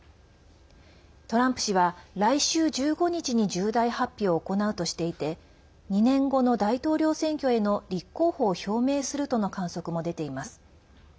トランプ氏は来週１５日に重大発表を行うとしていて２年後の大統領選挙への立候補を表明するとの観測も出ています。